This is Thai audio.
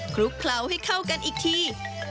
ลุกเคล้าให้เข้ากันอีกที